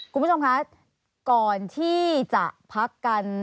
คุณผู้ชมคะก่อนที่จะพักกัน